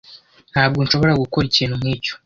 Ntabwo nshobora gukora ikintu nkicyo.